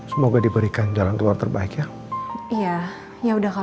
semoga diberikan jalan keluar terbaik ya iya ya udah